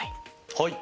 はい。